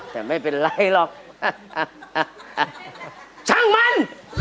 แต่ไม่เป็นไรหรอกช่างมัน